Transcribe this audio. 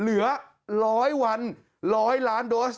เหลือ๑๐๐วัน๑๐๐ล้านโดส